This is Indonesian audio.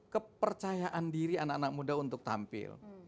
kepercayaan diri anak anak muda untuk tampil